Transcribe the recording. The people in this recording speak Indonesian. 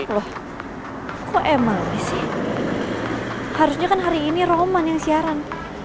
loh kok emily sih harusnya kan hari ini roman yang siaran